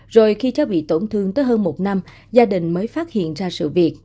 rồi khi cháu bị tổn thương tới hơn một năm gia đình mới phát hiện ra sự việc